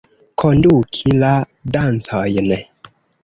Konduki la dancojn.